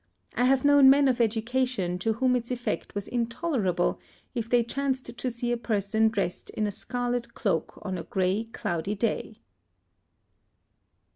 I have known men of education to whom its effect was intolerable if they chanced to see a person dressed in a scarlet cloak on a grey, cloudy day.